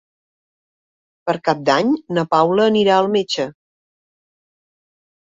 Per Cap d'Any na Paula anirà al metge.